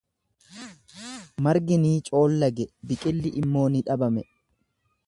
Margi ni coollage, biqilli immoo ni dhabame.